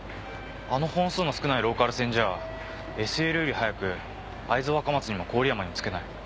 あの本数の少ないローカル線じゃＳＬより早く会津若松にも郡山にも着けない。